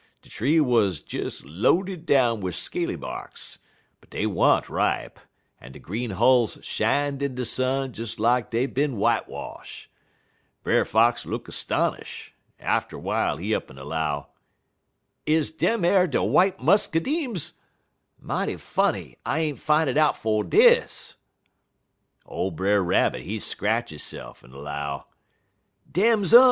De tree wuz des loaded down wid scaly barks, but dey wa'n't ripe, en de green hulls shined in de sun des lak dey ben whitewash'. Brer Fox look 'stonish'. Atter w'ile he up'n 'low: "'Is dem ar de w'ite muscadimes? Mighty funny I ain't fine it out 'fo' dis.' "Ole Brer Rabbit, he scratch hisse'f en 'low: "'Dems um.